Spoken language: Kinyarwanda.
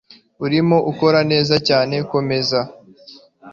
Urimo ukora neza cyane. Komeza.